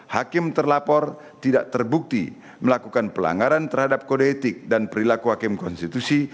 hakim terlapor tidak terbukti melakukan pelanggaran terhadap kode etik dan perilaku hakim konstitusi